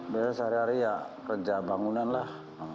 biasa hari hari ya kerja bangunan lah